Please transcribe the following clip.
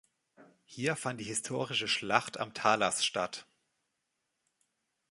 Hier fand die historische Schlacht am Talas statt.